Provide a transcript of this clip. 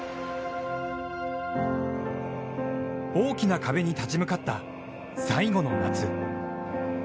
大きな壁に立ち向かった、最後の夏。